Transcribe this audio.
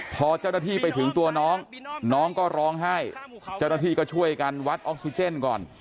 พอเจ้าหน้าที่ไปถึงตัวน้องน้องก็ร้องไห้เจ้าหน้าที่ก็ช่วยกันวัดออกซิเจนก่อน